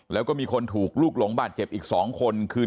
แล้วก็มีคนถูกลูกหลงบาดเจ็บอีก๒คนคือ